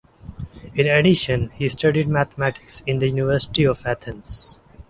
In addition, he studied Mathematics in the University of Athens.